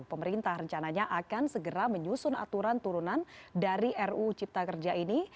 pemerintah rencananya akan segera menyusun aturan turunan dari ruu cipta kerja ini